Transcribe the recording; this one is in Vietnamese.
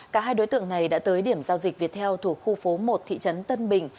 cả hai đối tượng này đã tới điểm giao dịch viettel thuộc khu phố một thị trấn tân bình